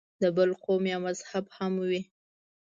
د بل قوم یا مذهب هم وي.